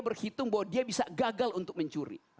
berhitung bahwa dia bisa gagal untuk mencuri